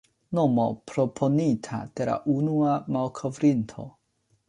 Nomo proponita de la unua malkovrinto.